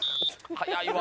早いわ。